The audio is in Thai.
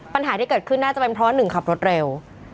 ปัญหาที่เกิดขึ้นน่าจะเพราะ๑ขับรถเร็ว